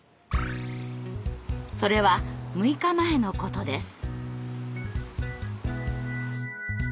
それは６日前のことです。